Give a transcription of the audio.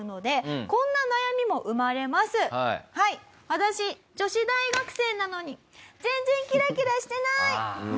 私女子大学生なのに全然キラキラしてない。